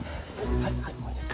はいはいもういいです。